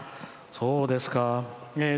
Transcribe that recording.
そうですか。